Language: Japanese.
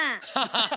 ハハハハ！